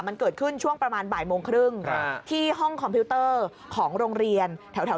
มันเกิดขึ้นช่วงประมาณบ่ายโมงครึ่งที่ห้องคอมพิวเตอร์ของโรงเรียนแถว